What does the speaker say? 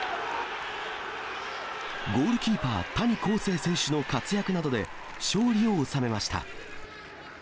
ゴールキーパー、谷晃生選手の活躍などで勝利を収めました。